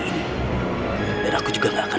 sebelum music begin